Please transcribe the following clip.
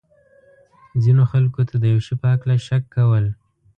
ځینو خلکو ته د یو شي په هکله شک کول.